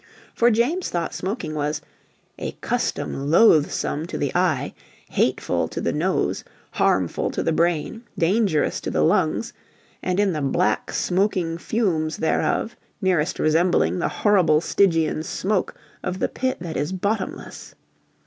For James thought smoking was "a custom loathsome to the eye, hateful to the nose, harmful to the brain, dangerous to the lungs, and in the black smoking fumes thereof nearest resembling the horrible Stygian smoke of the pit that is bottomless."